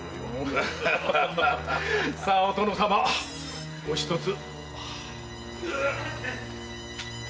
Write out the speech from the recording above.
さあお殿様おひとつ。